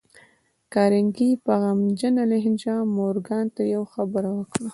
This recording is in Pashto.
کارنګي په غمجنه لهجه مورګان ته يوه خبره وکړه.